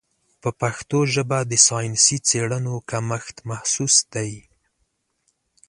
په پښتو ژبه د ساینسي څېړنو کمښت محسوس دی.